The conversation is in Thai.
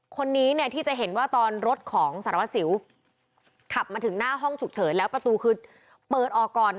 คนนี้เนี่ยที่จะเห็นว่าตอนรถของสารวัสสิวขับมาถึงหน้าห้องฉุกเฉินแล้วประตูคือเปิดออกก่อน